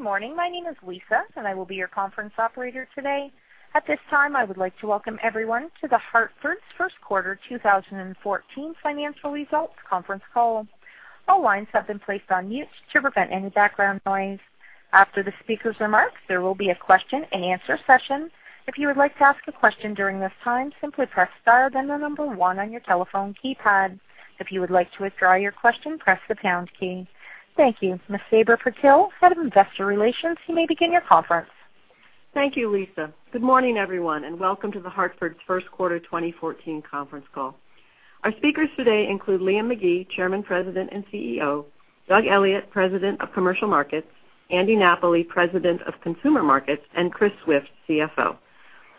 Good morning. My name is Lisa, and I will be your conference operator today. At this time, I would like to welcome everyone to The Hartford's first quarter 2014 financial results conference call. All lines have been placed on mute to prevent any background noise. After the speaker's remarks, there will be a question and answer session. If you would like to ask a question during this time, simply press star, then the number 1 on your telephone keypad. If you would like to withdraw your question, press the pound key. Thank you. Ms. Sabra Purtill, Head of Investor Relations, you may begin your conference. Thank you, Lisa. Good morning, everyone, and welcome to The Hartford's first quarter 2014 conference call. Our speakers today include Liam McGee, Chairman, President, and CEO; Doug Elliot, President of Commercial Markets; Andy Napoli, President of Consumer Markets; and Chris Swift, CFO.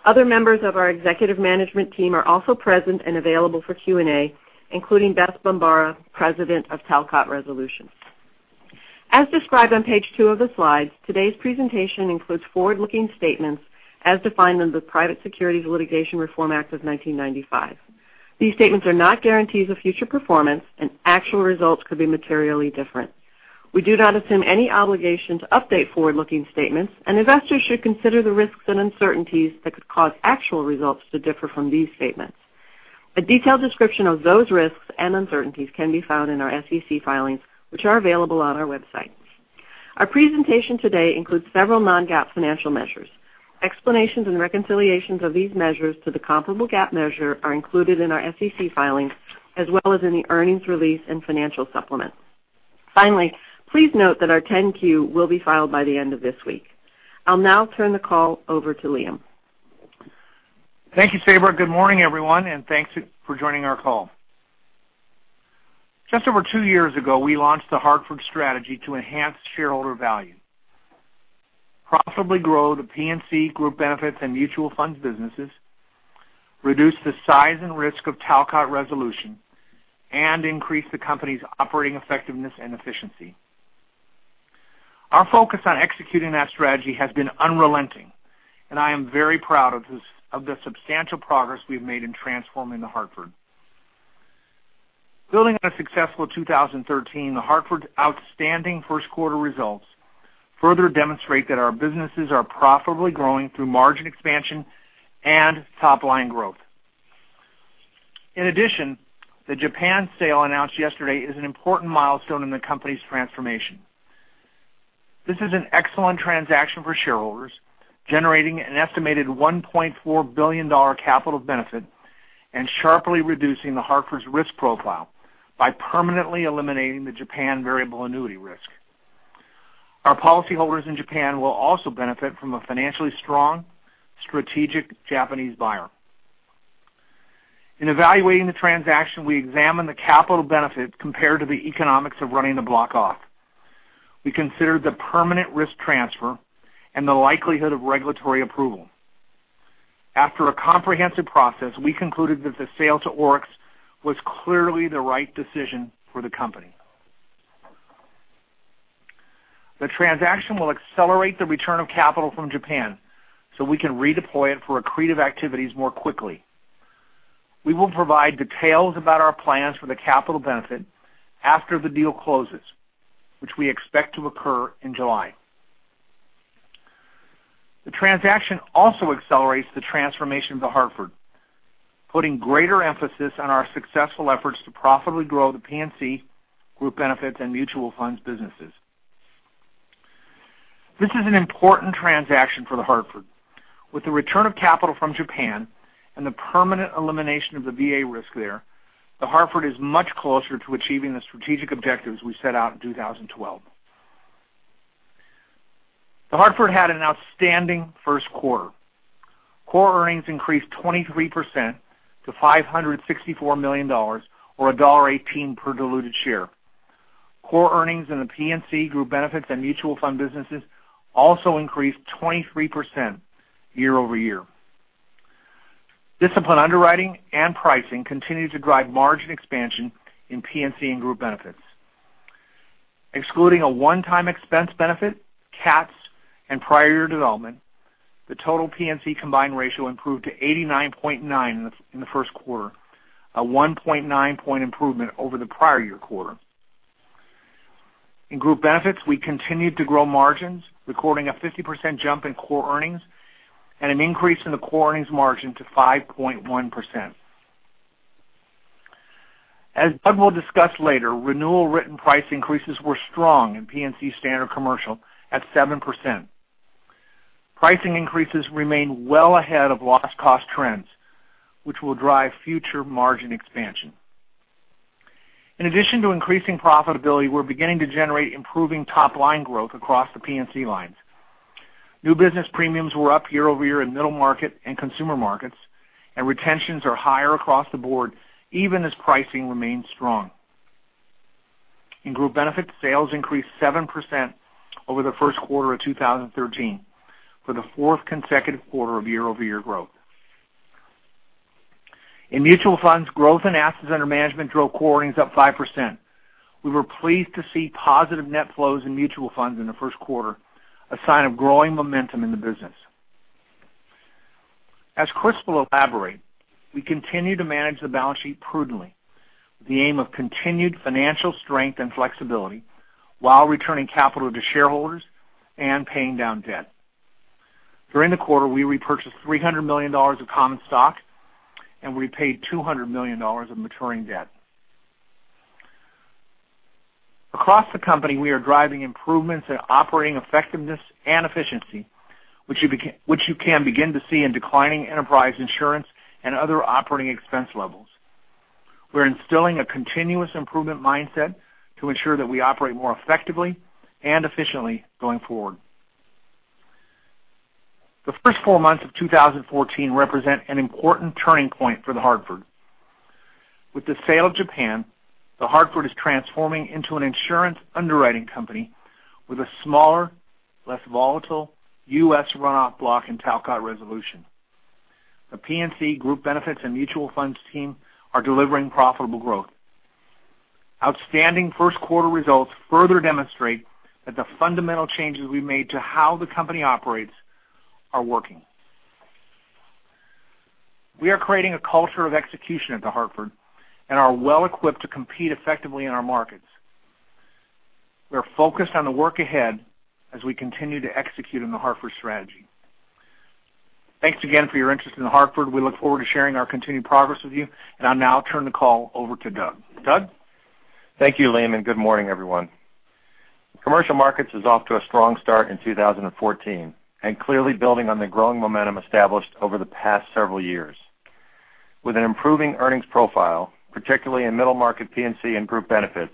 Other members of our executive management team are also present and available for Q&A, including Beth Bombara, President of Talcott Resolution. As described on page two of the slides, today's presentation includes forward-looking statements as defined in the Private Securities Litigation Reform Act of 1995. These statements are not guarantees of future performance, and actual results could be materially different. We do not assume any obligation to update forward-looking statements, and investors should consider the risks and uncertainties that could cause actual results to differ from these statements. A detailed description of those risks and uncertainties can be found in our SEC filings, which are available on our website. Our presentation today includes several non-GAAP financial measures. Explanations and reconciliations of these measures to the comparable GAAP measure are included in our SEC filings as well as in the earnings release and financial supplement. Finally, please note that our 10-Q will be filed by the end of this week. I'll now turn the call over to Liam. Thank you, Sabra. Good morning, everyone, and thanks for joining our call. Just over two years ago, we launched The Hartford Strategy to enhance shareholder value, profitably grow the P&C Group Benefits and Hartford Funds businesses, reduce the size and risk of Talcott Resolution, and increase the company's operating effectiveness and efficiency. Our focus on executing that strategy has been unrelenting, and I am very proud of the substantial progress we've made in transforming The Hartford. Building on a successful 2013, The Hartford's outstanding first quarter results further demonstrate that our businesses are profitably growing through margin expansion and top-line growth. In addition, the Japan sale announced yesterday is an important milestone in the company's transformation. This is an excellent transaction for shareholders, generating an estimated $1.4 billion capital benefit and sharply reducing The Hartford's risk profile by permanently eliminating the Japan variable annuity risk. Our policyholders in Japan will also benefit from a financially strong, strategic Japanese buyer. In evaluating the transaction, we examined the capital benefit compared to the economics of running the block off. We considered the permanent risk transfer and the likelihood of regulatory approval. After a comprehensive process, we concluded that the sale to ORIX was clearly the right decision for the company. The transaction will accelerate the return of capital from Japan so we can redeploy it for accretive activities more quickly. We will provide details about our plans for the capital benefit after the deal closes, which we expect to occur in July. The transaction also accelerates the transformation of The Hartford, putting greater emphasis on our successful efforts to profitably grow the P&C Group Benefits and Hartford Funds businesses. This is an important transaction for The Hartford. With the return of capital from Japan and the permanent elimination of the VA risk there, The Hartford is much closer to achieving the strategic objectives we set out in 2012. The Hartford had an outstanding first quarter. Core earnings increased 23% to $564 million, or $1.18 per diluted share. Core earnings in the P&C Group Benefits and Hartford Funds businesses also increased 23% year-over-year. Disciplined underwriting and pricing continued to drive margin expansion in P&C and Group Benefits. Excluding a one-time expense benefit, CATs, and prior year development, the total P&C combined ratio improved to 89.9 in the first quarter, a 1.9 point improvement over the prior-year quarter. In Group Benefits, we continued to grow margins, recording a 50% jump in core earnings and an increase in the core earnings margin to 5.1%. As Doug will discuss later, renewal written price increases were strong in P&C standard commercial at 7%. Pricing increases remain well ahead of loss cost trends, which will drive future margin expansion. In addition to increasing profitability, we're beginning to generate improving top-line growth across the P&C lines. New business premiums were up year-over-year in middle market and consumer markets, and retentions are higher across the board, even as pricing remains strong. In Group Benefits, sales increased 7% over the first quarter of 2013 for the fourth consecutive quarter of year-over-year growth. In Hartford Funds, growth in assets under management drove core earnings up 5%. We were pleased to see positive net flows in Hartford Funds in the first quarter, a sign of growing momentum in the business. As Chris will elaborate, we continue to manage the balance sheet prudently with the aim of continued financial strength and flexibility while returning capital to shareholders and paying down debt. During the quarter, we repurchased $300 million of common stock and repaid $200 million of maturing debt. Across the company, we are driving improvements in operating effectiveness and efficiency, which you can begin to see in declining enterprise insurance and other operating expense levels. We're instilling a continuous improvement mindset to ensure that we operate more effectively and efficiently going forward. The first four months of 2014 represent an important turning point for The Hartford. With the sale of Japan, The Hartford is transforming into an insurance underwriting company with a smaller, less volatile U.S. runoff block in Talcott Resolution. The P&C Group Benefits and Hartford Funds team are delivering profitable growth. Outstanding first quarter results further demonstrate that the fundamental changes we made to how the company operates are working. We are creating a culture of execution at The Hartford and are well-equipped to compete effectively in our markets. We are focused on the work ahead as we continue to execute on The Hartford strategy. Thanks again for your interest in The Hartford. We look forward to sharing our continued progress with you, and I'll now turn the call over to Doug. Doug? Thank you, Liam, and good morning, everyone. Commercial Markets is off to a strong start in 2014 and clearly building on the growing momentum established over the past several years. With an improving earnings profile, particularly in middle market P&C and Group Benefits,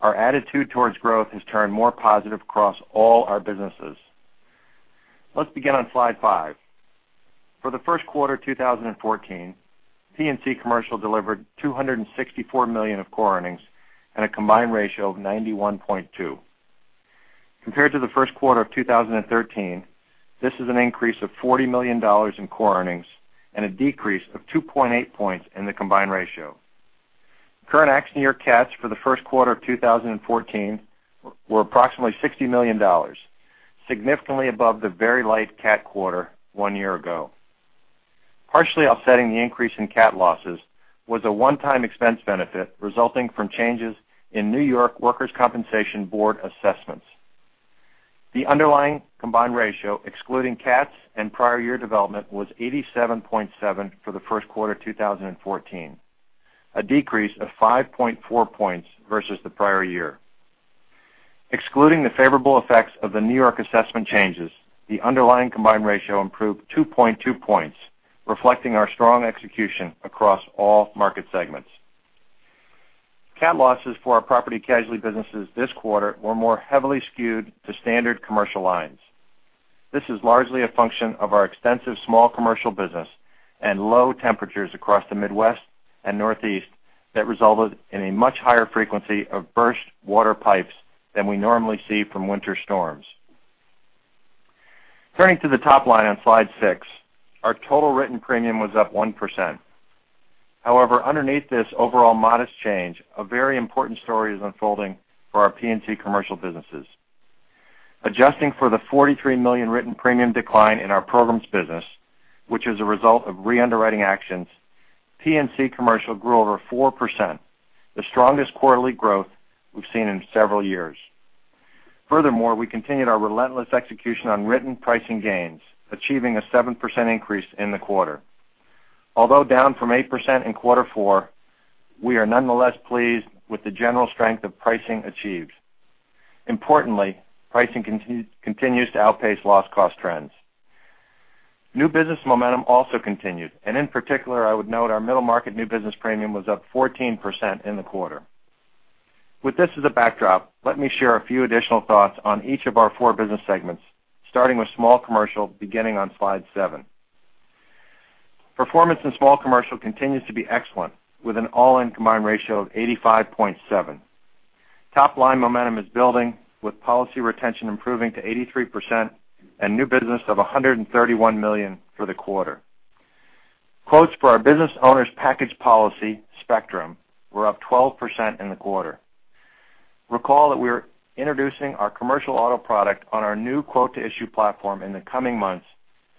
our attitude towards growth has turned more positive across all our businesses. Let's begin on slide five. For the first quarter 2014, P&C Commercial delivered $264 million of core earnings and a combined ratio of 91.2. Compared to the first quarter of 2013, this is an increase of $40 million in core earnings and a decrease of 2.8 points in the combined ratio. Current accident year CATs for the first quarter of 2014 were approximately $60 million, significantly above the very light CAT quarter one year ago. Partially offsetting the increase in CAT losses was a one-time expense benefit resulting from changes in New York Workers' Compensation Board assessments. The underlying combined ratio, excluding CATs and prior year development, was 87.7 for the first quarter 2014, a decrease of 5.4 points versus the prior year. Excluding the favorable effects of the New York assessment changes, the underlying combined ratio improved 2.2 points, reflecting our strong execution across all market segments. CAT losses for our property casualty businesses this quarter were more heavily skewed to standard commercial lines. This is largely a function of our extensive small commercial business and low temperatures across the Midwest and Northeast that resulted in a much higher frequency of burst water pipes than we normally see from winter storms. Turning to the top line on slide six, our total written premium was up 1%. Underneath this overall modest change, a very important story is unfolding for our P&C Commercial businesses. Adjusting for the $43 million written premium decline in our programs business, which is a result of re-underwriting actions, P&C Commercial grew over 4%, the strongest quarterly growth we've seen in several years. Furthermore, we continued our relentless execution on written pricing gains, achieving a 7% increase in the quarter. Although down from 8% in quarter four, we are nonetheless pleased with the general strength of pricing achieved. Importantly, pricing continues to outpace loss cost trends. New business momentum also continued, and in particular, I would note our middle market new business premium was up 14% in the quarter. With this as a backdrop, let me share a few additional thoughts on each of our four business segments, starting with small commercial beginning on slide seven. Performance in small commercial continues to be excellent, with an all-in combined ratio of 85.7. Top-line momentum is building, with policy retention improving to 83% and new business of $131 million for the quarter. Quotes for our business owners package policy Spectrum were up 12% in the quarter. Recall that we are introducing our commercial auto product on our new quote-to-issue platform in the coming months,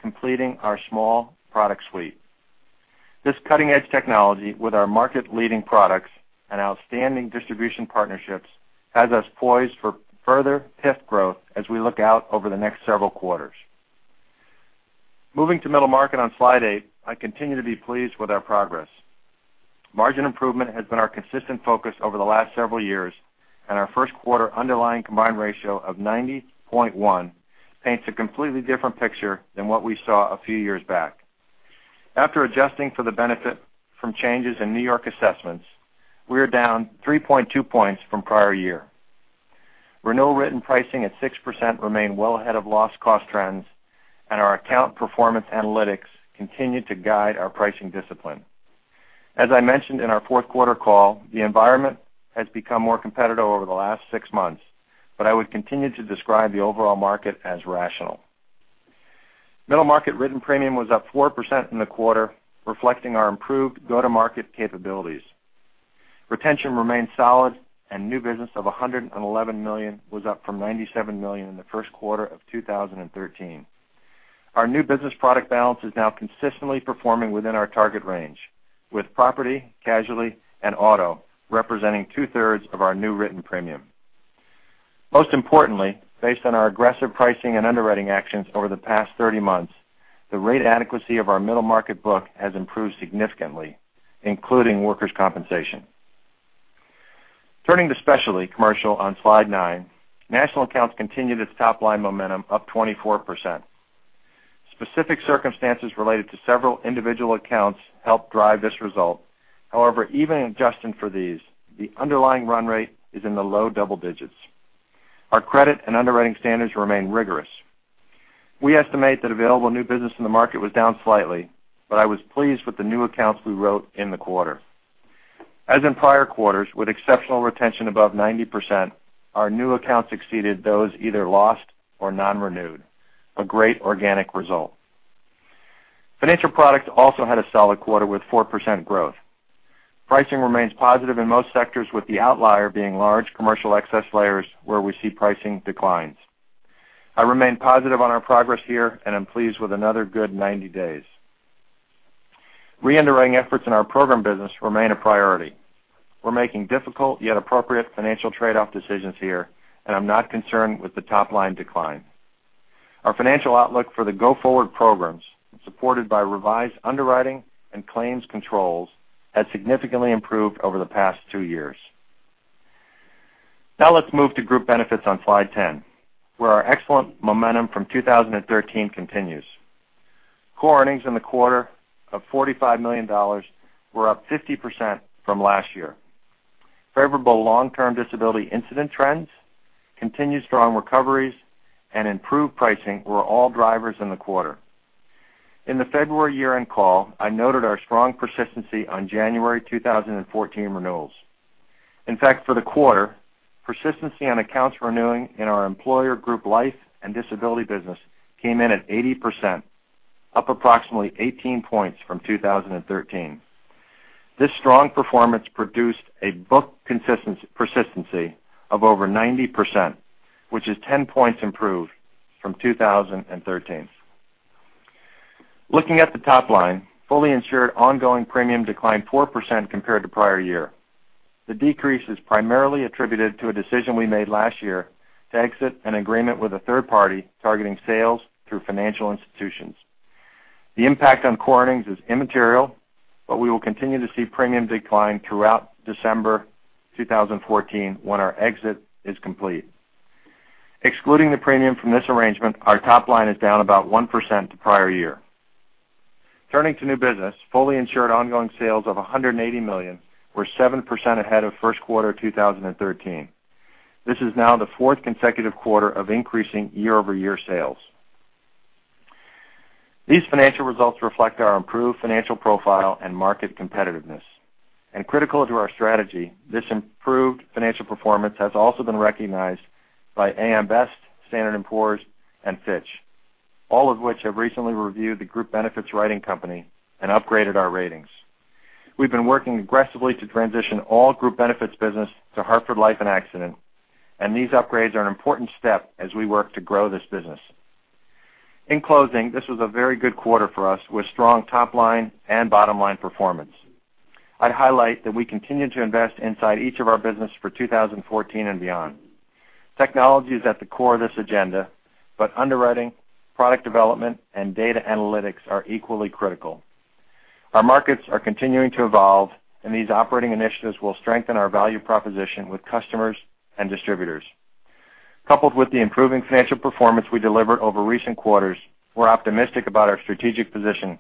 completing our small product suite. This cutting-edge technology with our market-leading products and outstanding distribution partnerships has us poised for further PIF growth as we look out over the next several quarters. Moving to middle market on slide eight, I continue to be pleased with our progress. Margin improvement has been our consistent focus over the last several years, and our first quarter underlying combined ratio of 90.1 paints a completely different picture than what we saw a few years back. After adjusting for the benefit from changes in New York assessments, we are down 3.2 points from prior year. Renewal written pricing at 6% remain well ahead of loss cost trends, and our account performance analytics continue to guide our pricing discipline. As I mentioned in our fourth quarter call, the environment has become more competitive over the last six months, but I would continue to describe the overall market as rational. Middle market written premium was up 4% in the quarter, reflecting our improved go-to-market capabilities. Retention remains solid and new business of $111 million was up from $97 million in the first quarter of 2013. Our new business product balance is now consistently performing within our target range with property, casualty, and auto representing two-thirds of our new written premium. Most importantly, based on our aggressive pricing and underwriting actions over the past 30 months, the rate adequacy of our middle market book has improved significantly, including workers' compensation. Turning to specialty commercial on Slide 9, national accounts continued its top-line momentum up 24%. Specific circumstances related to several individual accounts helped drive this result. However, even adjusting for these, the underlying run rate is in the low double digits. Our credit and underwriting standards remain rigorous. We estimate that available new business in the market was down slightly, but I was pleased with the new accounts we wrote in the quarter. As in prior quarters, with exceptional retention above 90%, our new accounts exceeded those either lost or non-renewed, a great organic result. Financial products also had a solid quarter with 4% growth. Pricing remains positive in most sectors, with the outlier being large commercial excess layers where we see pricing declines. I remain positive on our progress here and am pleased with another good 90 days. Re-underwriting efforts in our program business remain a priority. We're making difficult yet appropriate financial trade-off decisions here, and I'm not concerned with the top-line decline. Our financial outlook for the go-forward programs, supported by revised underwriting and claims controls, has significantly improved over the past two years. Now let's move to Group Benefits on Slide 10, where our excellent momentum from 2013 continues. Core earnings in the quarter of $45 million were up 50% from last year. Favorable long-term disability incident trends, continued strong recoveries, and improved pricing were all drivers in the quarter. In the February year-end call, I noted our strong persistency on January 2014 renewals. In fact, for the quarter, persistency on accounts renewing in our employer group life and disability business came in at 80%, up approximately 18 points from 2013. This strong performance produced a book persistency of over 90%, which is 10 points improved from 2013. Looking at the top line, fully insured ongoing premium declined 4% compared to prior year. The decrease is primarily attributed to a decision we made last year to exit an agreement with a third party targeting sales through financial institutions. The impact on core earnings is immaterial, but we will continue to see premium decline throughout December 2014, when our exit is complete. Excluding the premium from this arrangement, our top line is down about 1% to prior year. Turning to new business, fully insured ongoing sales of $180 million were 7% ahead of first quarter 2013. This is now the fourth consecutive quarter of increasing year-over-year sales. These financial results reflect our improved financial profile and market competitiveness. Critical to our strategy, this improved financial performance has also been recognized by AM Best, Standard & Poor's, and Fitch, all of which have recently reviewed the Group Benefits writing company and upgraded our ratings. We've been working aggressively to transition all Group Benefits business to Hartford Life and Accident, and these upgrades are an important step as we work to grow this business. In closing, this was a very good quarter for us with strong top-line and bottom-line performance. I'd highlight that we continue to invest inside each of our business for 2014 and beyond. Technology is at the core of this agenda, but underwriting, product development, and data analytics are equally critical. Our markets are continuing to evolve, and these operating initiatives will strengthen our value proposition with customers and distributors. Coupled with the improving financial performance we delivered over recent quarters, we're optimistic about our strategic position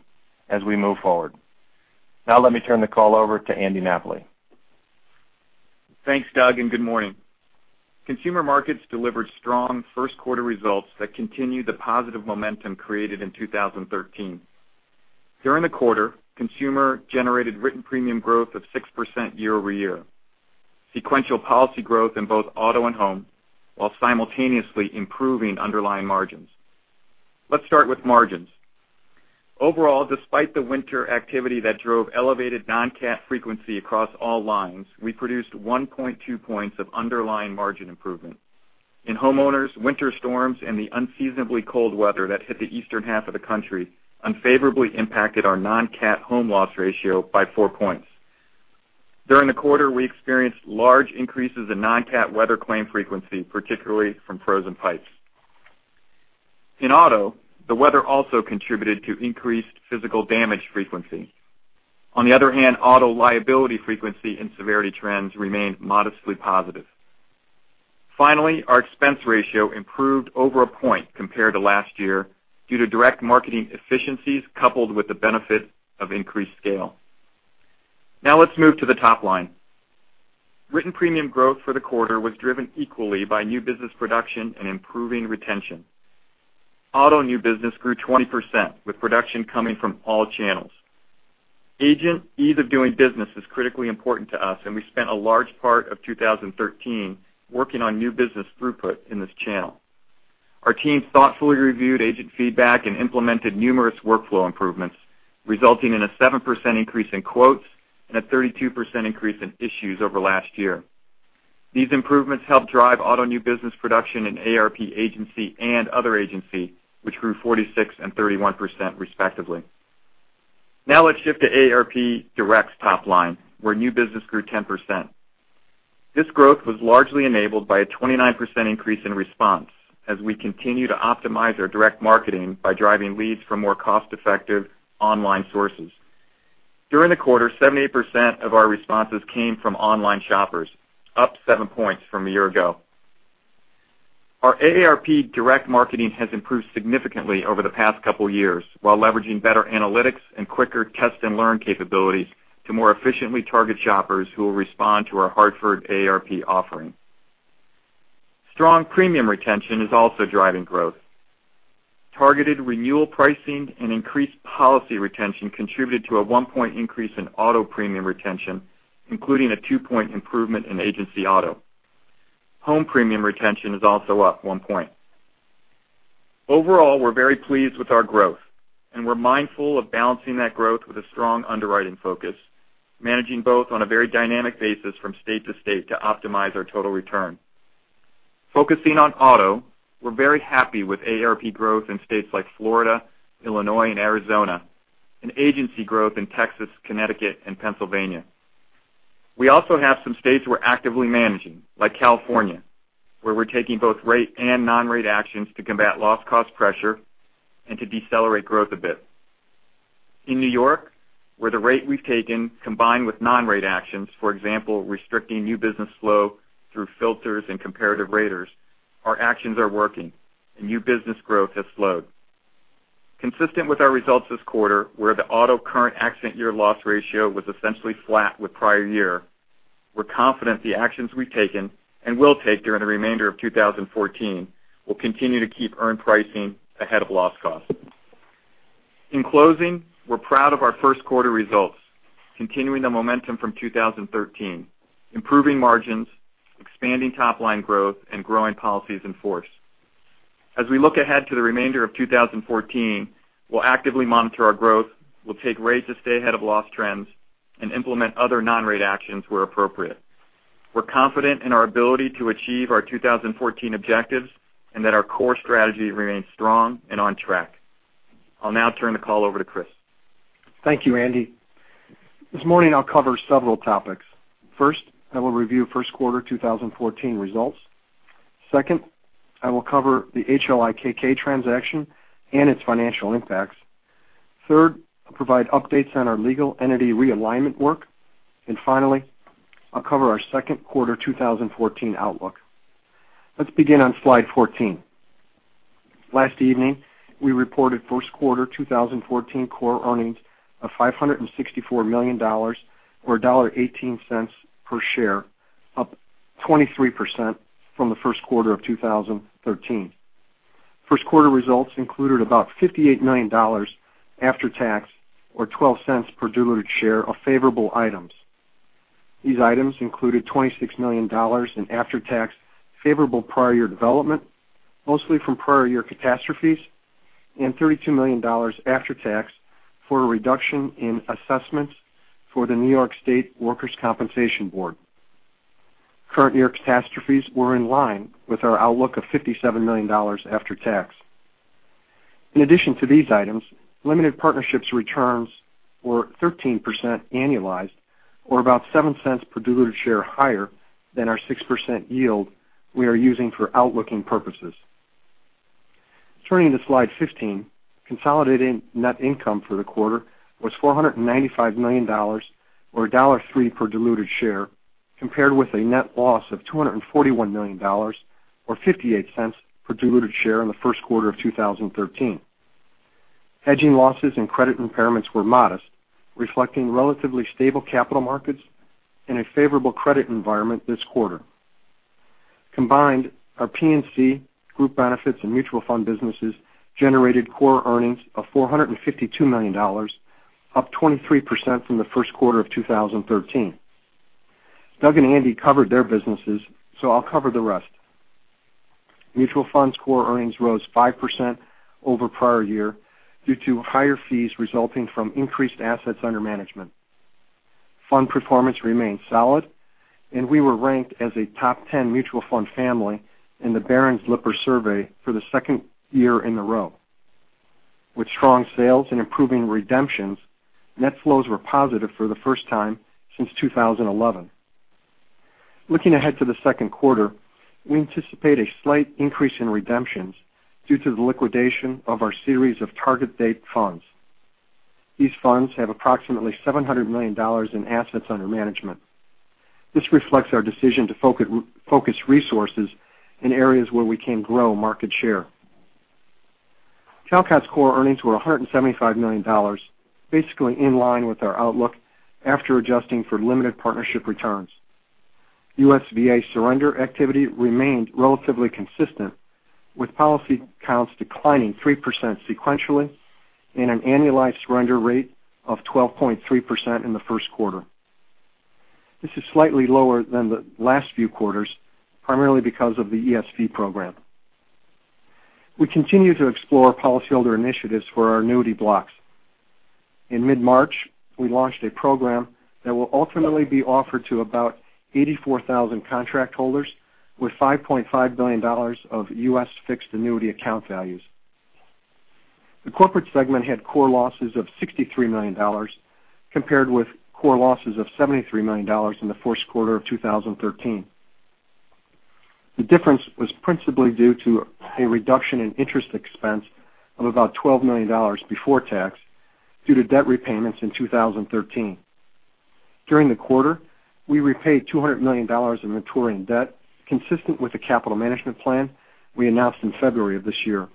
as we move forward. Now let me turn the call over to Andy Napoli. Thanks, Doug, and good morning. Consumer markets delivered strong first-quarter results that continue the positive momentum created in 2013. During the quarter, consumer-generated written premium growth of 6% year-over-year, sequential policy growth in both auto and home, while simultaneously improving underlying margins. Let's start with margins. Overall, despite the winter activity that drove elevated non-cat frequency across all lines, we produced 1.2 points of underlying margin improvement. In homeowners, winter storms and the unseasonably cold weather that hit the eastern half of the country unfavorably impacted our non-cat home loss ratio by four points. During the quarter, we experienced large increases in non-cat weather claim frequency, particularly from frozen pipes. On the other hand, auto liability frequency and severity trends remained modestly positive. Our expense ratio improved over a point compared to last year due to direct marketing efficiencies coupled with the benefit of increased scale. Now let's move to the top line. Written premium growth for the quarter was driven equally by new business production and improving retention. Auto new business grew 20%, with production coming from all channels. Agent ease of doing business is critically important to us, and we spent a large part of 2013 working on new business throughput in this channel. Our team thoughtfully reviewed agent feedback and implemented numerous workflow improvements, resulting in a 7% increase in quotes and a 32% increase in issues over last year. These improvements helped drive auto new business production in AARP agency and other agency, which grew 46% and 31%, respectively. Now let's shift to AARP Direct's top line, where new business grew 10%. This growth was largely enabled by a 29% increase in response as we continue to optimize our direct marketing by driving leads from more cost-effective online sources. During the quarter, 78% of our responses came from online shoppers, up seven points from a year ago. Our AARP direct marketing has improved significantly over the past couple of years while leveraging better analytics and quicker test and learn capabilities to more efficiently target shoppers who will respond to our Hartford AARP offering. Strong premium retention is also driving growth. Targeted renewal pricing and increased policy retention contributed to a one-point increase in auto premium retention, including a two-point improvement in agency auto. Home premium retention is also up one point. We're very pleased with our growth, and we're mindful of balancing that growth with a strong underwriting focus, managing both on a very dynamic basis from state to state to optimize our total return. Focusing on auto, we're very happy with AARP growth in states like Florida, Illinois, and Arizona, and agency growth in Texas, Connecticut, and Pennsylvania. We also have some states we're actively managing, like California, where we're taking both rate and non-rate actions to combat loss cost pressure and to decelerate growth a bit. In New York, where the rate we've taken combined with non-rate actions, for example, restricting new business flow through filters and comparative raters, our actions are working, and new business growth has slowed. Consistent with our results this quarter, where the auto current accident year loss ratio was essentially flat with prior year, we're confident the actions we've taken and will take during the remainder of 2014 will continue to keep earned pricing ahead of loss cost. In closing, we're proud of our first quarter results, continuing the momentum from 2013, improving margins, expanding top-line growth, and growing policies in force. As we look ahead to the remainder of 2014, we'll actively monitor our growth, we'll take rates to stay ahead of loss trends and implement other non-rate actions where appropriate. We're confident in our ability to achieve our 2014 objectives and that our core strategy remains strong and on track. I'll now turn the call over to Chris. Thank you, Andy. This morning, I'll cover several topics. First, I will review first quarter 2014 results. Second, I will cover the HLIKK transaction and its financial impacts. Third, I'll provide updates on our legal entity realignment work. Finally, I'll cover our second quarter 2014 outlook. Let's begin on slide 14. Last evening, we reported first quarter 2014 core earnings of $564 million, or $1.18 per share, up 23% from the first quarter of 2013. First quarter results included about $58 million after tax, or $0.12 per diluted share of favorable items. These items included $26 million in after-tax favorable prior year development, mostly from prior year catastrophes, and $32 million after tax for a reduction in assessments for the New York State Workers' Compensation Board. Current year catastrophes were in line with our outlook of $57 million after tax. In addition to these items, limited partnerships returns were 13% annualized, or about $0.07 per diluted share higher than our 6% yield we are using for outlooking purposes. Turning to slide 15, consolidated net income for the quarter was $495 million, or $1.03 per diluted share, compared with a net loss of $241 million or $0.58 per diluted share in the first quarter of 2013. Hedging losses and credit impairments were modest, reflecting relatively stable capital markets and a favorable credit environment this quarter. Combined, our P&C Group Benefits and mutual fund businesses generated core earnings of $452 million, up 23% from the first quarter of 2013. Doug and Andy covered their businesses, so I'll cover the rest. Mutual funds core earnings rose 5% over prior year due to higher fees resulting from increased assets under management. Fund performance remained solid. We were ranked as a top 10 mutual fund family in the Barron's Lipper survey for the second year in a row. With strong sales and improving redemptions, net flows were positive for the first time since 2011. Looking ahead to the second quarter, we anticipate a slight increase in redemptions due to the liquidation of our series of target date funds. These funds have approximately $700 million in assets under management. This reflects our decision to focus resources in areas where we can grow market share. Talcott's core earnings were $175 million, basically in line with our outlook after adjusting for limited partnership returns. USVA surrender activity remained relatively consistent, with policy counts declining 3% sequentially and an annualized surrender rate of 12.3% in the first quarter. This is slightly lower than the last few quarters, primarily because of the ESV program. We continue to explore policyholder initiatives for our annuity blocks. In mid-March, we launched a program that will ultimately be offered to about 84,000 contract holders with $5.5 billion of U.S. fixed annuity account values. The corporate segment had core losses of $63 million, compared with core losses of $73 million in the first quarter of 2013. The difference was principally due to a reduction in interest expense of about $12 million before tax due to debt repayments in 2013. During the quarter, we repaid $200 million of maturing debt consistent with the capital management plan we announced in February of this year.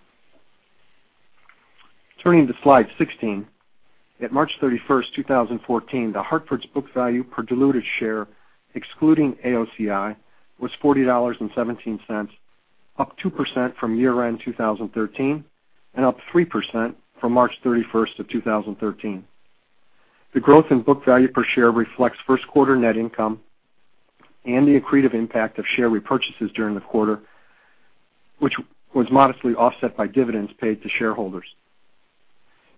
Turning to slide 16. At March 31st, 2014, The Hartford's book value per diluted share, excluding AOCI, was $40.17, up 2% from year-end 2013 and up 3% from March 31st of 2013. The growth in book value per share reflects first quarter net income and the accretive impact of share repurchases during the quarter, which was modestly offset by dividends paid to shareholders.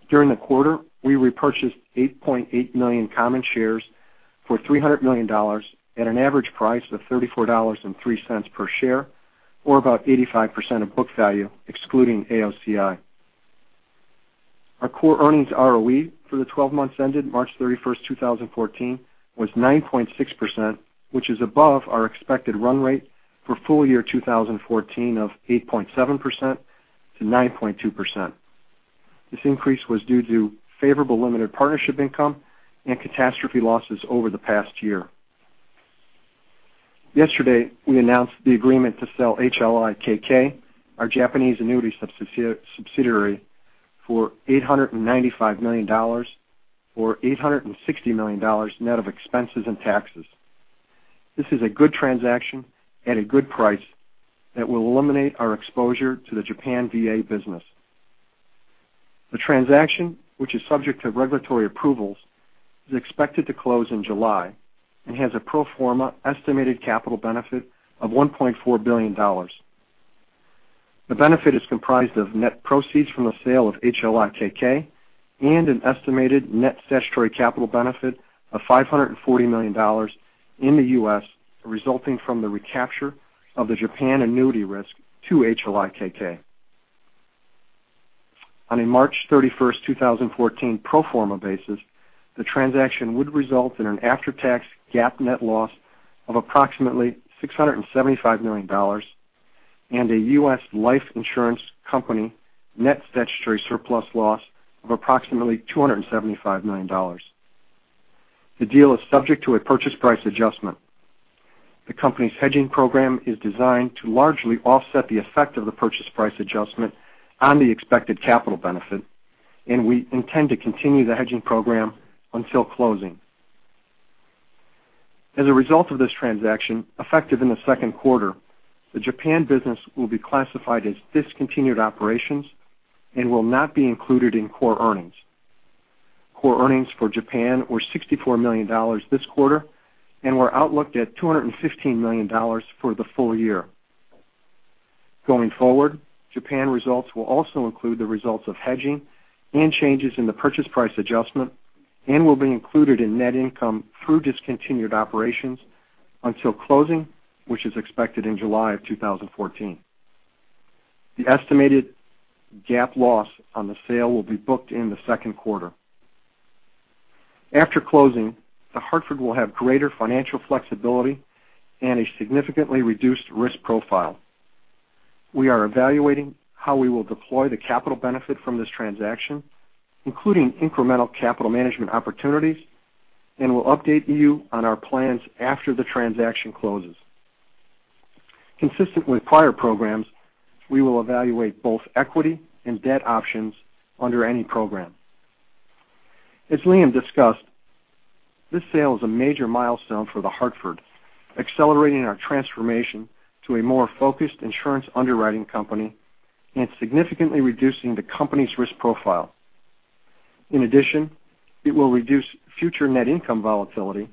During the quarter, we repurchased 8.8 million common shares for $300 million at an average price of $34.03 per share, or about 85% of book value excluding AOCI. Our core earnings ROE for the 12 months ended March 31st, 2014 was 9.6%, which is above our expected run rate for full year 2014 of 8.7%-9.2%. This increase was due to favorable limited partnership income and catastrophe losses over the past year. Yesterday, we announced the agreement to sell HLI KK, our Japanese annuity subsidiary, for $895 million, or $860 million net of expenses and taxes. This is a good transaction at a good price that will eliminate our exposure to the Japan VA business. The transaction, which is subject to regulatory approvals, is expected to close in July and has a pro forma estimated capital benefit of $1.4 billion. The benefit is comprised of net proceeds from the sale of HLI KK and an estimated net statutory capital benefit of $540 million in the U.S., resulting from the recapture of the Japan annuity risk to HLI KK. On a March 31st, 2014 pro forma basis, the transaction would result in an after-tax GAAP net loss of approximately $675 million and a U.S. life insurance company net statutory surplus loss of approximately $275 million. The deal is subject to a purchase price adjustment. The company's hedging program is designed to largely offset the effect of the purchase price adjustment on the expected capital benefit, and we intend to continue the hedging program until closing. As a result of this transaction, effective in the second quarter, the Japan business will be classified as discontinued operations and will not be included in core earnings. Core earnings for Japan were $64 million this quarter and were outlooked at $215 million for the full year. Going forward, Japan results will also include the results of hedging and changes in the purchase price adjustment and will be included in net income through discontinued operations until closing, which is expected in July of 2014. The estimated GAAP loss on the sale will be booked in the second quarter. After closing, The Hartford will have greater financial flexibility and a significantly reduced risk profile. We are evaluating how we will deploy the capital benefit from this transaction, including incremental capital management opportunities and will update you on our plans after the transaction closes. Consistent with prior programs, we will evaluate both equity and debt options under any program. As Liam discussed, this sale is a major milestone for The Hartford, accelerating our transformation to a more focused insurance underwriting company and significantly reducing the company's risk profile. In addition, it will reduce future net income volatility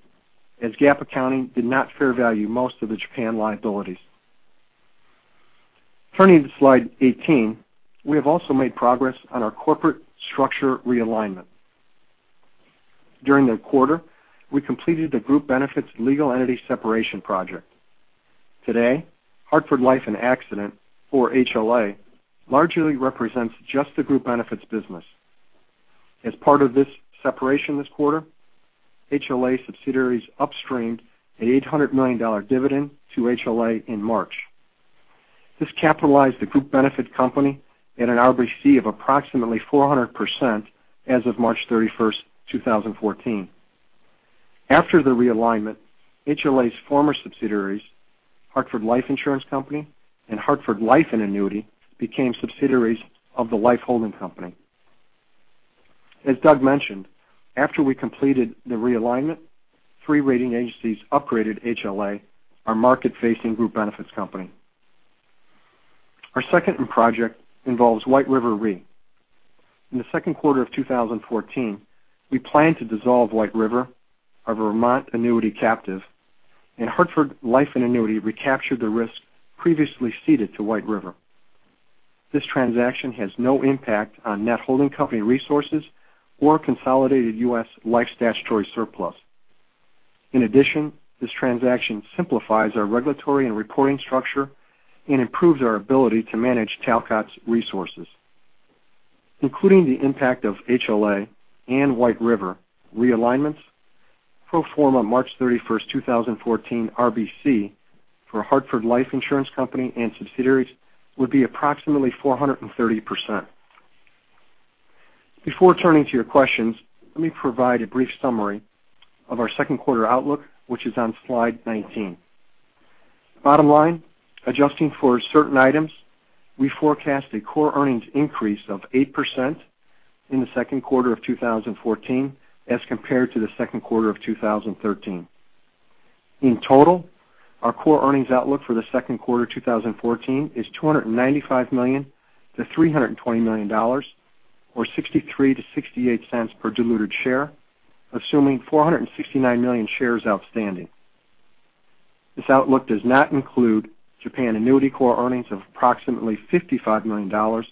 as GAAP accounting did not fair value most of the Japan liabilities. Turning to slide 18. We have also made progress on our corporate structure realignment. During the quarter, we completed the Group Benefits legal entity separation project. Today, Hartford Life and Accident, or HLA, largely represents just the Group Benefits business. As part of this separation this quarter, HLA subsidiaries upstreamed an $800 million dividend to HLA in March. This capitalized the Group Benefits company at an RBC of approximately 400% as of March 31st, 2014. After the realignment, HLA's former subsidiaries, Hartford Life Insurance Company and Hartford Life and Annuity, became subsidiaries of the Life Holding Company. As Doug mentioned, after we completed the realignment, three rating agencies upgraded HLA, our market-facing Group Benefits company. Our second project involves White River Re. In the second quarter of 2014, we plan to dissolve White River, our Vermont annuity captive, and Hartford Life and Annuity recaptured the risk previously ceded to White River. This transaction has no impact on net holding company resources or consolidated U.S. life statutory surplus. This transaction simplifies our regulatory and reporting structure and improves our ability to manage Talcott's resources. Including the impact of HLA and White River realignments, pro forma March 31st, 2014, RBC for Hartford Life Insurance Company and subsidiaries would be approximately 430%. Before turning to your questions, let me provide a brief summary of our second quarter outlook, which is on slide 19. Bottom line, adjusting for certain items, we forecast a core earnings increase of 8% in the second quarter of 2014 as compared to the second quarter of 2013. Our core earnings outlook for the second quarter 2014 is $295 million-$320 million or $0.63-$0.68 per diluted share, assuming 469 million shares outstanding. This outlook does not include Japan annuity core earnings of approximately $55 million or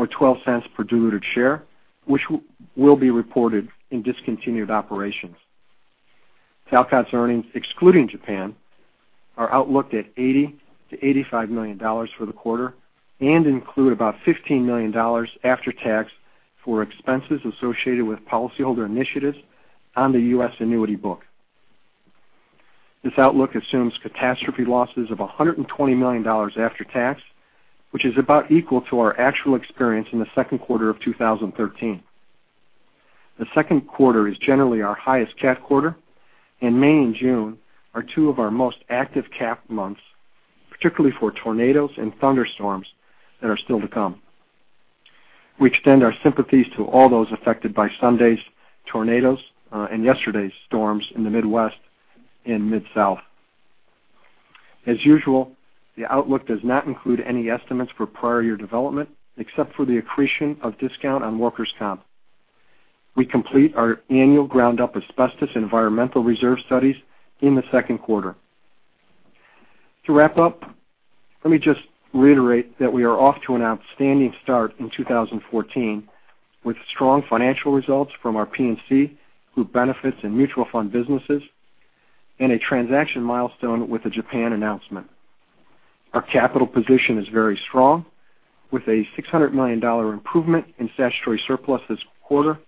$0.12 per diluted share, which will be reported in discontinued operations. Talcott's earnings, excluding Japan, are outlooked at $80 million-$85 million for the quarter and include about $15 million after tax for expenses associated with policyholder initiatives on the U.S. annuity book. This outlook assumes catastrophe losses of $120 million after tax, which is about equal to our actual experience in the second quarter of 2013. The second quarter is generally our highest cat quarter, and May and June are two of our most active cat months, particularly for tornadoes and thunderstorms that are still to come. We extend our sympathies to all those affected by Sunday's tornadoes, yesterday's storms in the Midwest and Mid-South. As usual, the outlook does not include any estimates for prior year development, except for the accretion of discount on workers' comp. We complete our annual ground-up asbestos environmental reserve studies in the second quarter. To wrap up, let me just reiterate that we are off to an outstanding start in 2014 with strong financial results from our P&C, Group Benefits and mutual fund businesses, and a transaction milestone with the Japan announcement. Our capital position is very strong with a $600 million improvement in statutory surplus this quarter,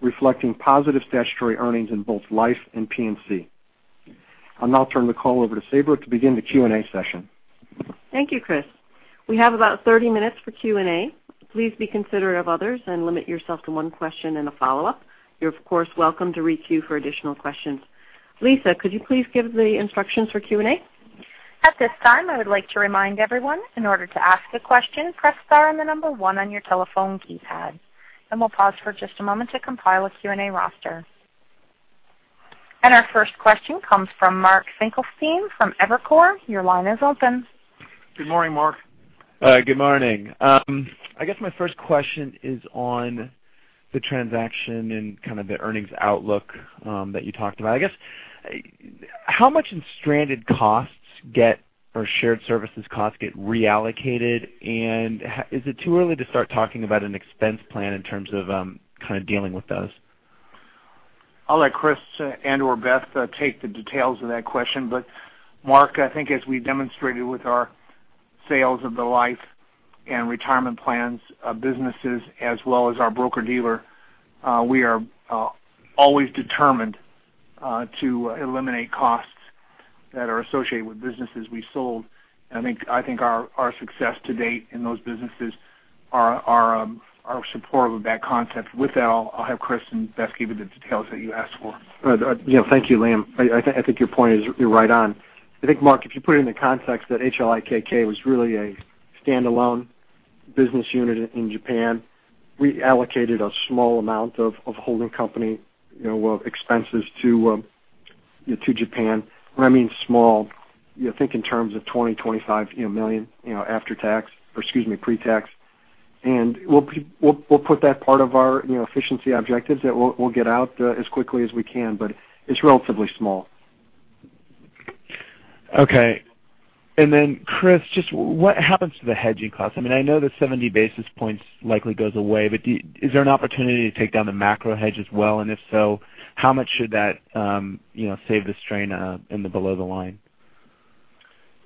reflecting positive statutory earnings in both life and P&C. I'll now turn the call over to Sabra to begin the Q&A session. Thank you, Chris. We have about 30 minutes for Q&A. Please be considerate of others and limit yourself to one question and a follow-up. You're of course welcome to re-queue for additional questions. Lisa, could you please give the instructions for Q&A? At this time, I would like to remind everyone, in order to ask a question, press star and the number one on your telephone keypad. We'll pause for just a moment to compile a Q&A roster. Our first question comes from Mark Finkelstein from Evercore. Your line is open. Good morning, Mark. Good morning. I guess my first question is on the transaction and kind of the earnings outlook that you talked about. I guess how much in stranded costs or shared services costs get reallocated, is it too early to start talking about an expense plan in terms of kind of dealing with those? I'll let Chris and/or Beth take the details of that question. Mark, I think as we demonstrated with our sales of the life and retirement plans businesses as well as our broker-dealer, we are always determined to eliminate costs that are associated with businesses we sold. I think our success to date in those businesses are supportive of that concept. With that, I'll have Chris and Beth give you the details that you asked for. Thank you, Liam. I think your point is right on. I think, Mark, if you put it in the context that HLIKK was really a standalone business unit in Japan, we allocated a small amount of holding company expenses to Japan. When I mean small, think in terms of $20 million, $25 million pre-tax. We'll put that part of our efficiency objectives that we'll get out as quickly as we can, but it's relatively small. Okay. Then Chris, just what happens to the hedging costs? I know the 70 basis points likely goes away, but is there an opportunity to take down the macro hedge as well? If so, how much should that save the strain in the below the line?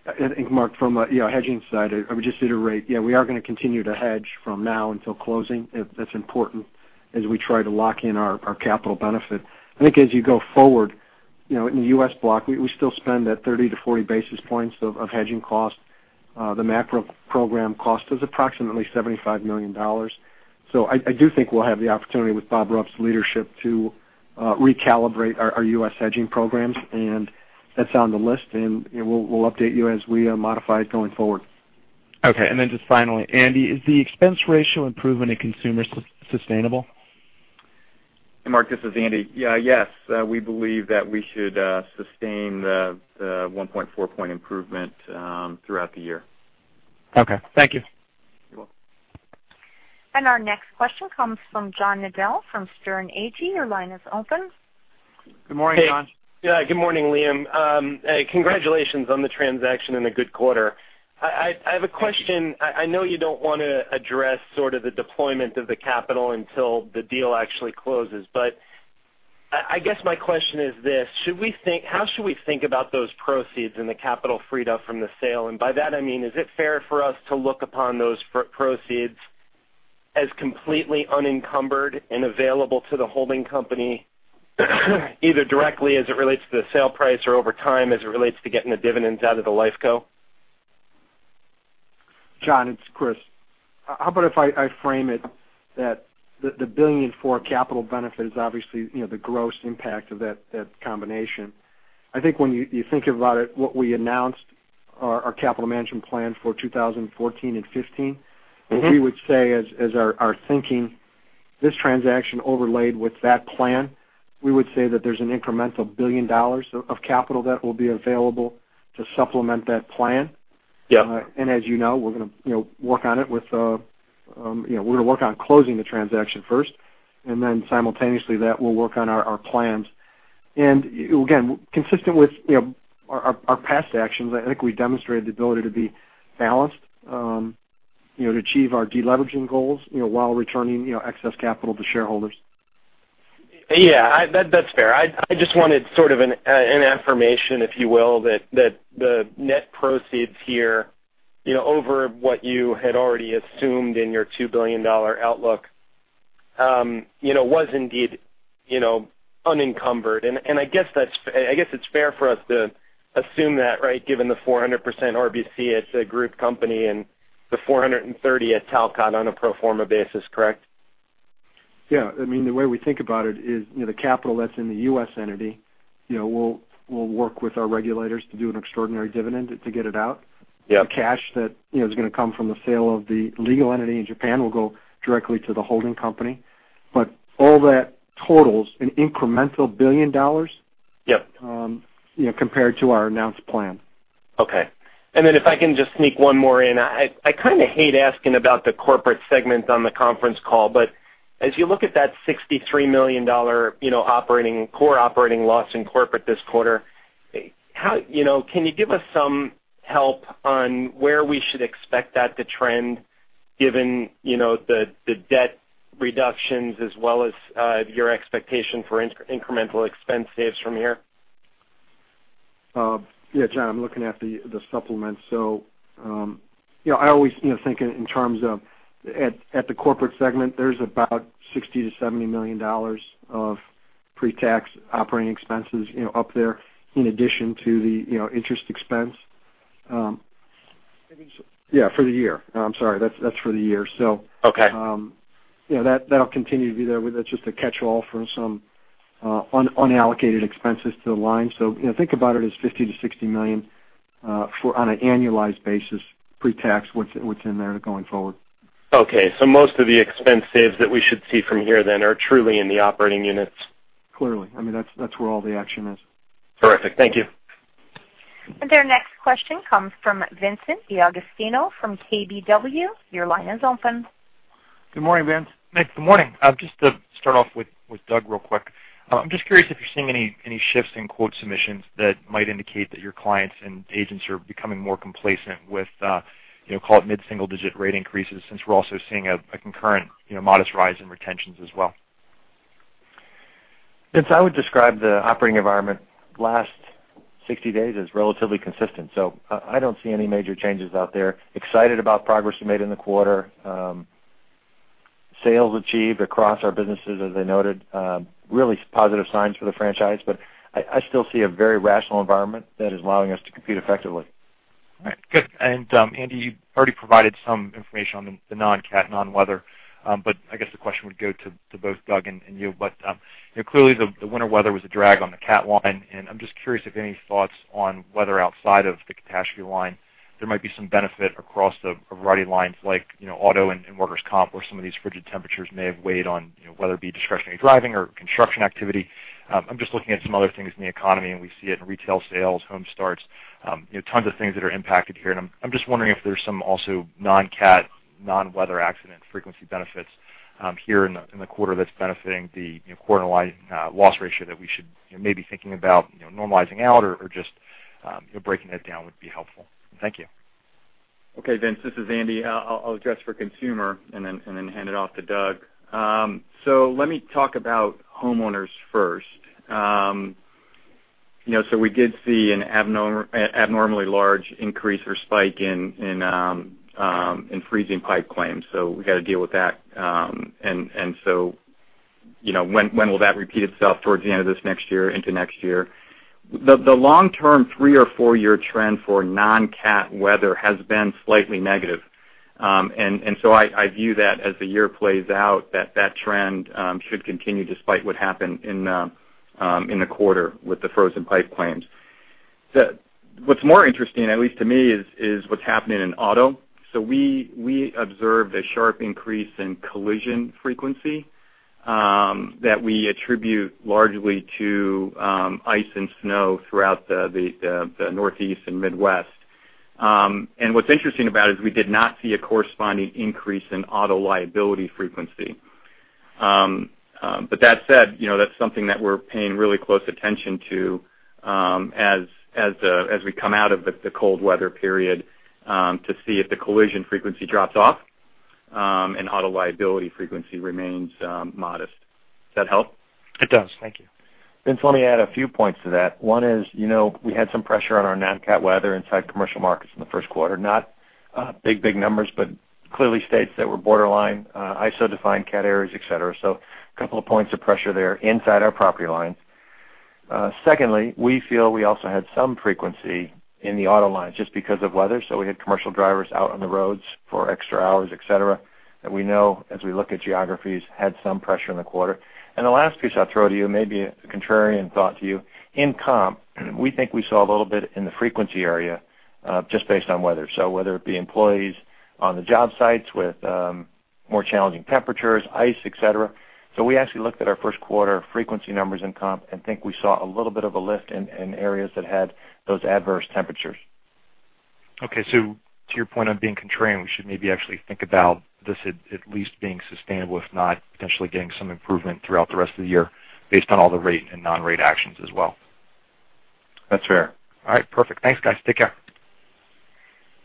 I think, Mark, from a hedging side, I would just reiterate, we are going to continue to hedge from now until closing. That's important as we try to lock in our capital benefit. I think as you go forward, in the U.S. block, we still spend that 30 to 40 basis points of hedging cost. The macro program cost is approximately $75 million. I do think we'll have the opportunity with Bob Ruff's leadership to recalibrate our U.S. hedging programs. That's on the list, and we'll update you as we modify it going forward. Okay, then just finally, Andy, is the expense ratio improvement in Consumer sustainable? Mark, this is Andy. Yes. We believe that we should sustain the 1.4 point improvement throughout the year. Okay. Thank you. You're welcome. Our next question comes from John Nadel from Sterne Agee. Your line is open. Good morning, John. Yeah. Good morning, Liam. Congratulations on the transaction and a good quarter. I have a question. I know you don't want to address sort of the deployment of the capital until the deal actually closes, but I guess my question is this, how should we think about those proceeds and the capital freed up from the sale? By that, I mean, is it fair for us to look upon those proceeds as completely unencumbered and available to the holding company either directly as it relates to the sale price or over time as it relates to getting the dividends out of the Life Co? John, it's Chris. How about if I frame it that the $1.4 billion capital benefit is obviously the gross impact of that combination. I think when you think about it, what we announced our capital management plan for 2014 and 2015- we would say as our thinking, this transaction overlaid with that plan, we would say that there's an incremental $1 billion of capital that will be available to supplement that plan. Yeah. As you know, we're going to work on closing the transaction first, then simultaneously that we'll work on our plans. Again, consistent with our past actions, I think we've demonstrated the ability to be balanced to achieve our de-leveraging goals while returning excess capital to shareholders. Yeah. That's fair. I just wanted sort of an affirmation, if you will, that the net proceeds here over what you had already assumed in your $2 billion outlook was indeed unencumbered. I guess it's fair for us to assume that, right, given the 400% RBC as a group company and the 430% at Talcott on a pro forma basis, correct? Yeah. I mean, the way we think about it is the capital that's in the U.S. entity, we'll work with our regulators to do an extraordinary dividend to get it out. Yeah. The cash that is going to come from the sale of the legal entity in Japan will go directly to the holding company. All that totals an incremental $1 billion. Yep Compared to our announced plan. Okay. If I can just sneak one more in. I kind of hate asking about the Corporate Segment on the conference call, as you look at that $63 million core operating loss in corporate this quarter, can you give us some help on where we should expect that to trend given the debt reductions as well as your expectation for incremental expense saves from here? Yeah, John, I'm looking at the supplement. I always think in terms of at the Corporate Segment, there's about $60 million-$70 million of pre-tax operating expenses up there in addition to the interest expense. Yeah, for the year. I'm sorry, that's for the year. Okay. That'll continue to be there. That's just a catchall for some unallocated expenses to the line. Think about it as $50 million-$60 million on an annualized basis, pre-tax, what's in there going forward. Okay. Most of the expense saves that we should see from here then are truly in the operating units. Clearly. I mean, that's where all the action is. Terrific. Thank you. Our next question comes from Vincent DeAugustino from KBW. Your line is open. Good morning, Vince. Good morning. Just to start off with Doug real quick. I'm just curious if you're seeing any shifts in quote submissions that might indicate that your clients and agents are becoming more complacent with, call it mid-single digit rate increases, since we're also seeing a concurrent modest rise in retentions as well. Vince, I would describe the operating environment last 60 days as relatively consistent. I don't see any major changes out there. Excited about progress we made in the quarter. Sales achieved across our businesses, as I noted. Really positive signs for the franchise, but I still see a very rational environment that is allowing us to compete effectively. All right, good. Andy, you've already provided some information on the non-cat, non-weather. I guess the question would go to both Doug and you, but clearly the winter weather was a drag on the cat line, and I'm just curious if you have any thoughts on weather outside of the catastrophe line. There might be some benefit across a variety of lines like auto and workers' comp where some of these frigid temperatures may have weighed on whether it be discretionary driving or construction activity. I'm just looking at some other things in the economy, we see it in retail sales, home starts, tons of things that are impacted here. I'm just wondering if there's some also non-cat, non-weather accident frequency benefits here in the quarter that's benefiting the quarter loss ratio that we should maybe thinking about normalizing out or just breaking that down would be helpful. Thank you. Okay, Vince, this is Andy. I'll address for consumer and then hand it off to Doug. Let me talk about homeowners first. We did see an abnormally large increase or spike in freezing pipe claims. We got to deal with that. When will that repeat itself towards the end of this next year into next year? The long-term three or four-year trend for non-cat weather has been slightly negative. I view that as the year plays out that trend should continue despite what happened in the quarter with the frozen pipe claims. What's more interesting, at least to me, is what's happening in auto. We observed a sharp increase in collision frequency that we attribute largely to ice and snow throughout the Northeast and Midwest. What's interesting about it is we did not see a corresponding increase in auto liability frequency. That said, that's something that we're paying really close attention to as we come out of the cold weather period to see if the collision frequency drops off and auto liability frequency remains modest. Does that help? It does. Thank you. Vince, let me add a few points to that. One is, we had some pressure on our non-cat weather inside Commercial Markets in the first quarter. Not big numbers, but clearly states that were borderline ISO-defined cat areas, et cetera. A couple of points of pressure there inside our property line. Secondly, we feel we also had some frequency in the auto lines just because of weather. We had commercial drivers out on the roads for extra hours, et cetera, that we know as we look at geographies, had some pressure in the quarter. The last piece I'll throw to you may be a contrarian thought to you. In comp, we think we saw a little bit in the frequency area just based on weather. Whether it be employees on the job sites with more challenging temperatures, ice, et cetera. We actually looked at our first quarter frequency numbers in comp and think we saw a little bit of a lift in areas that had those adverse temperatures. Okay. To your point on being contrarian, we should maybe actually think about this at least being sustainable, if not potentially getting some improvement throughout the rest of the year based on all the rate and non-rate actions as well. That's fair. All right. Perfect. Thanks, guys. Take care.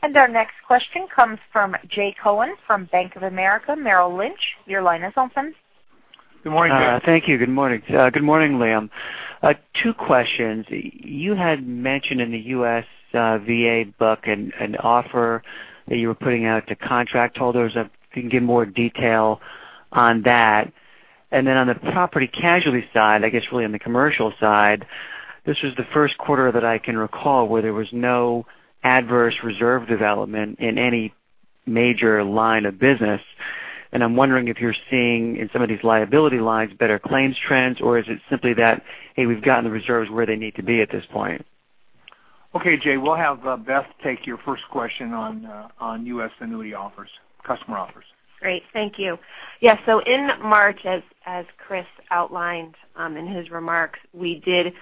Our next question comes from Jay Cohen from Bank of America Merrill Lynch. Your line is open. Good morning, Jay. Thank you. Good morning. Good morning, Liam. Two questions. You had mentioned in the USVA book an offer that you were putting out to contract holders. If you can give more detail on that. On the property casualty side, I guess really on the Commercial side, this was the first quarter that I can recall where there was no adverse reserve development in any major line of business, and I'm wondering if you're seeing in some of these liability lines better claims trends, or is it simply that, hey, we've gotten the reserves where they need to be at this point? Okay, Jay, we'll have Beth take your first question on U.S. annuity offers, customer offers. Great. Thank you. Yes. In March, as Chris outlined in his remarks, we did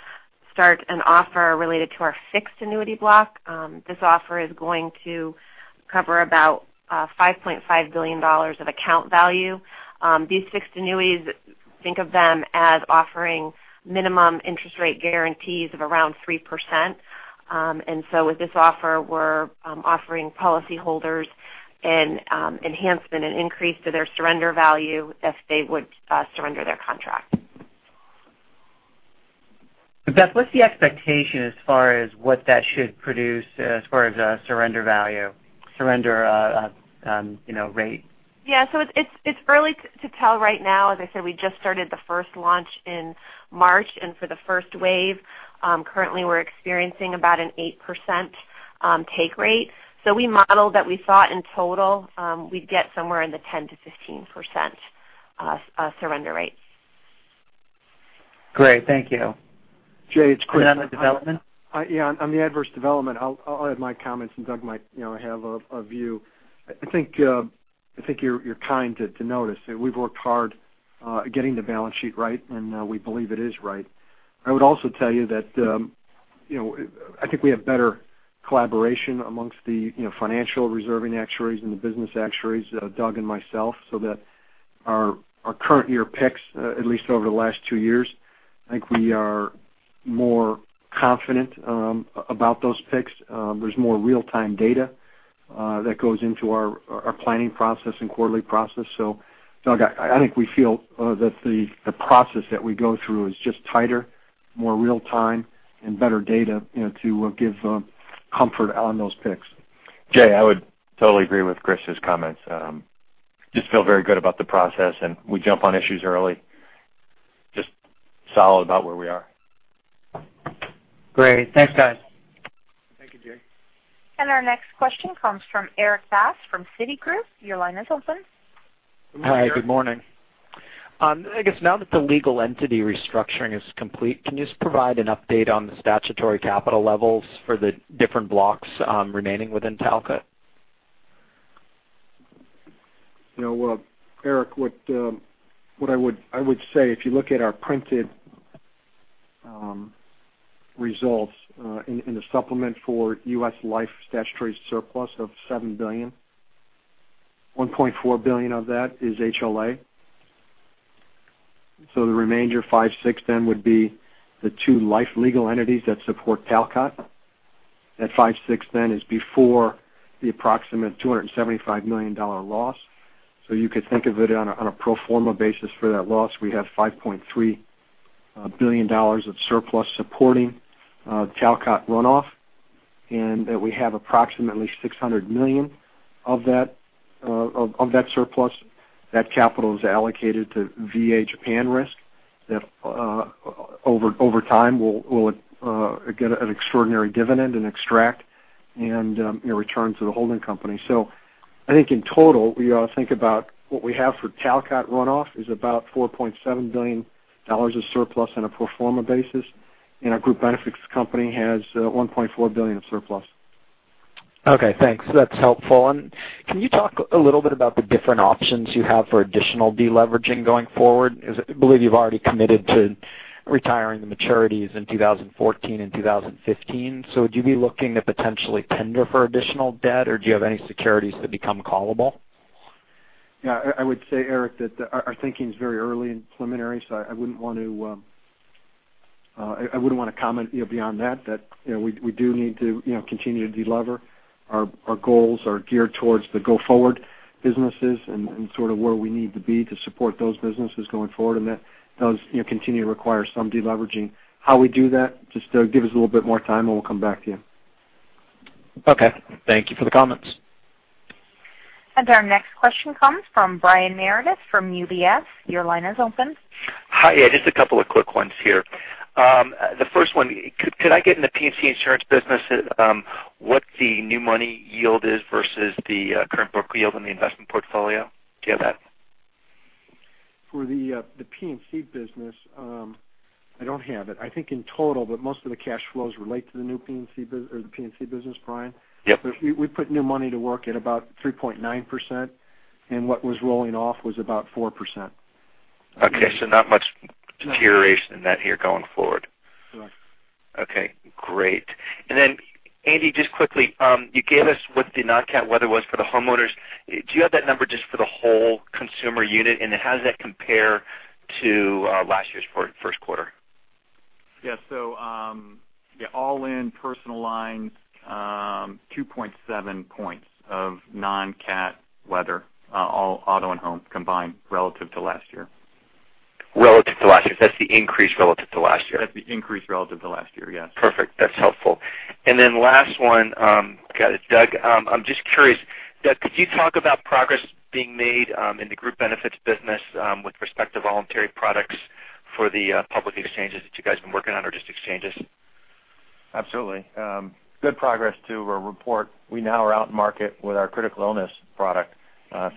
start an offer related to our fixed annuity block. This offer is going to cover about $5.5 billion of account value. These fixed annuities, think of them as offering minimum interest rate guarantees of around 3%. With this offer, we're offering policyholders an enhancement, an increase to their surrender value if they would surrender their contract. Beth, what's the expectation as far as what that should produce as far as surrender value, surrender rate? It's early to tell right now. As I said, we just started the first launch in March. For the first wave, currently we're experiencing about an 8% take rate. We modeled that we thought in total, we'd get somewhere in the 10%-15% surrender rate. Great. Thank you. Jay, it's Chris. On the development? Yeah, on the adverse development, I'll add my comments. Doug might have a view. I think you're kind to notice. We've worked hard getting the balance sheet right, and we believe it is right. I would also tell you that I think we have better collaboration amongst the financial reserving actuaries and the business actuaries, Doug and myself, so that our current year picks, at least over the last two years, I think we are more confident about those picks. There's more real-time data that goes into our planning process and quarterly process. Doug, I think we feel that the process that we go through is just tighter, more real-time and better data to give comfort on those picks. Jay, I would totally agree with Chris' comments. Just feel very good about the process. We jump on issues early. Just solid about where we are. Great. Thanks, guys. Thank you, Jay. Our next question comes from Erik Bass from Citigroup. Your line is open. Good morning, Erik. Hi, good morning. I guess now that the legal entity restructuring is complete, can you just provide an update on the statutory capital levels for the different blocks remaining within Talcott? Erik, what I would say, if you look at our printed results in the supplement for US Life statutory surplus of $7 billion, $1.4 billion of that is HLA. The remainder, $5.6 billion then would be the two life legal entities that support Talcott. That $5.6 billion then is before the approximate $275 million loss. You could think of it on a pro forma basis for that loss. We have $5.3 billion of surplus supporting Talcott runoff, and we have approximately $600 million of that surplus. That capital is allocated to VA Japan risk that over time will get an extraordinary dividend and extract Return to the holding company. I think in total, we all think about what we have for Talcott runoff is about $4.7 billion of surplus on a pro forma basis. Our Group Benefits company has $1.4 billion of surplus. Okay, thanks. That's helpful. Can you talk a little bit about the different options you have for additional deleveraging going forward? I believe you've already committed to retiring the maturities in 2014 and 2015. Would you be looking to potentially tender for additional debt, or do you have any securities that become callable? Yeah, I would say, Erik, that our thinking is very early and preliminary, so I wouldn't want to comment beyond that. We do need to continue to delever. Our goals are geared towards the go-forward businesses and sort of where we need to be to support those businesses going forward. That does continue to require some deleveraging. How we do that, just give us a little bit more time, and we'll come back to you. Okay. Thank you for the comments. Our next question comes from Brian Meredith from UBS. Your line is open. Hi. Yeah, just a couple of quick ones here. The first one, could I get in the P&C insurance business, what the new money yield is versus the current book yield on the investment portfolio? Do you have that? For the P&C business, I don't have it. I think in total, most of the cash flows relate to the new P&C business, Brian. Yep. We put new money to work at about 3.9%, what was rolling off was about 4%. Not much duration in that here going forward. Correct. Great. Andy, just quickly, you gave us what the non-CAT weather was for the homeowners. Do you have that number just for the whole consumer unit, and how does that compare to last year's first quarter? Yes. All in personal lines, 2.7 points of non-CAT weather, all auto and home combined relative to last year. Relative to last year. That's the increase relative to last year? That's the increase relative to last year, yes. Perfect. That's helpful. Last one, got it. Doug, I'm just curious. Doug, could you talk about progress being made in the Group Benefits business with respect to voluntary products for the public exchanges that you guys have been working on or just exchanges? Absolutely. Good progress to report. We now are out in market with our critical illness product.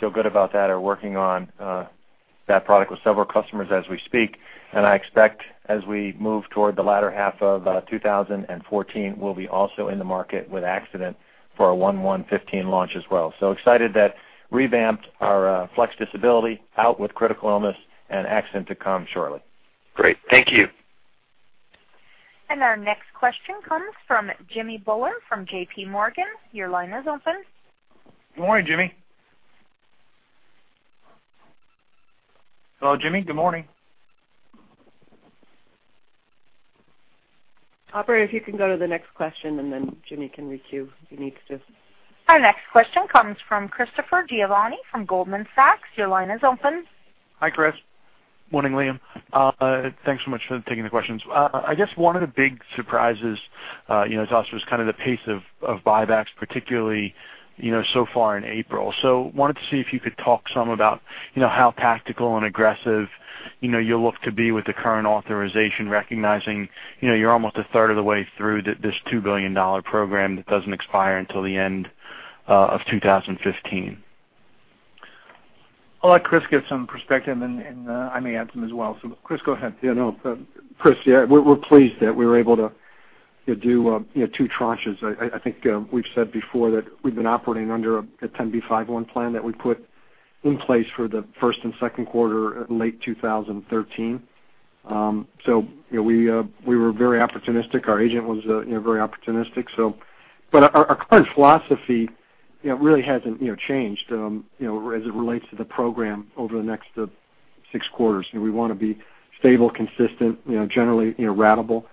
Feel good about that. Are working on that product with several customers as we speak. I expect as we move toward the latter half of 2014, we'll be also in the market with accident for our 1/1/2015 launch as well. Excited that revamped our flex disability out with critical illness and accident to come shortly. Great. Thank you. Our next question comes from Jimmy Bhullar from J.P. Morgan. Your line is open. Good morning, Jimmy. Hello, Jimmy. Good morning. Operator, if you can go to the next question, then Jimmy can re-queue if he needs to. Our next question comes from Christopher Giovanni from Goldman Sachs. Your line is open. Hi, Chris. Morning, Liam. Thanks so much for taking the questions. I guess one of the big surprises to us was kind of the pace of buybacks, particularly so far in April. Wanted to see if you could talk some about how tactical and aggressive you look to be with the current authorization, recognizing you're almost a third of the way through this $2 billion program that doesn't expire until the end of 2015. I'll let Chris give some perspective, and I may add some as well. Chris, go ahead. Chris, we're pleased that we were able to do two tranches. I think we've said before that we've been operating under a Rule 10b5-1 plan that we put in place for the first and second quarter, late 2013. We were very opportunistic. Our agent was very opportunistic. Our current philosophy really hasn't changed as it relates to the program over the next six quarters. We want to be stable, consistent, generally ratable,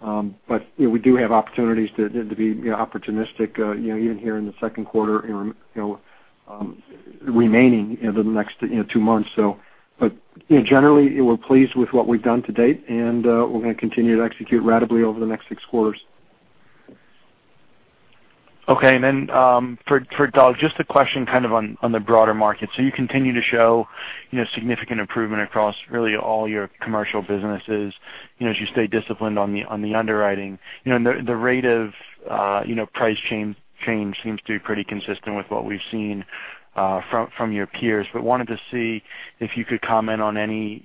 but we do have opportunities to be opportunistic even here in the second quarter remaining in the next two months. Generally, we're pleased with what we've done to date, and we're going to continue to execute ratably over the next six quarters. Okay. For Doug, just a question kind of on the broader market. You continue to show significant improvement across really all your commercial businesses as you stay disciplined on the underwriting. The rate of price change seems to be pretty consistent with what we've seen from your peers. Wanted to see if you could comment on any